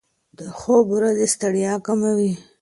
خوب د ورځې ستړیا کموي.